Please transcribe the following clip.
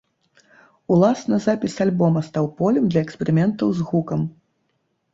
Уласна запіс альбома стаў полем для эксперыментаў з гукам.